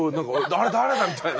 あれ誰だ？みたいな。